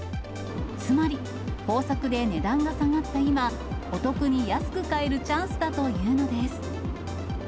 つまり、豊作で値段が下がった今、お得に安く買えるチャンスだというのです。